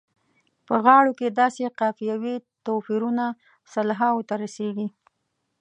په غاړو کې داسې قافیوي توپیرونه سلهاوو ته رسیږي.